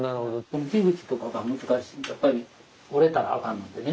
この火口とかが難しいんでやっぱり折れたらあかんのでね。